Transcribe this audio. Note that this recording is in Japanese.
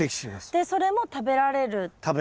でそれも食べられる？